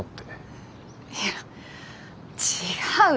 いや違うよ。